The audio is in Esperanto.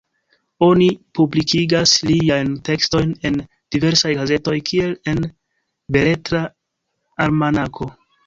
Oni publikigas liajn tekstojn en diversaj gazetoj, kiel en Beletra Almanako.